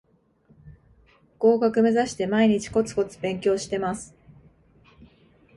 合格めざして毎日コツコツ勉強してます